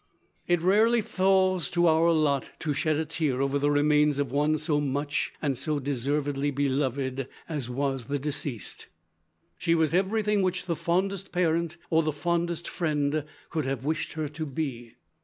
"It rarely falls to our lot to shed a tear over the remains of one so much and so deservedly beloved as was the deceased. She was everything which the fondest parent, or the fondest friend could have wished her to be.